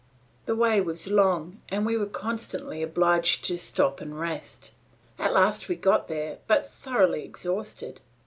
The way was long, and we were constantly obliged to stop and rest. At last we got there, but thoroughly exhausted.